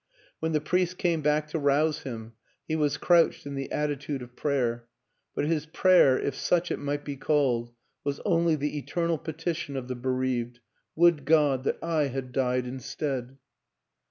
When the priest came back to rouse him he was crouched in the attitude of prayer; but his prayer (if such it might be called) was only the eternal petition of the bereaved, " Would God that I had died in stead!"